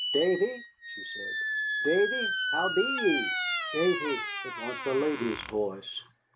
"Davy," she said, "Davy, how be ye?" "Davy!" It was the lady's voice.